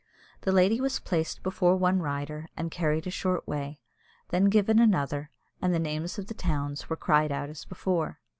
The lady was placed before one rider and carried a short way, then given another, and the names of the towns were cried out as before.